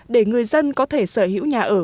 để người dân có thể sở hữu nhà ở